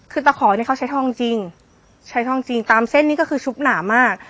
คือตะขอเนี่ยเขาใช้ทองจริงใช้ทองจริงตามเส้นนี้ก็คือชุบหนามาก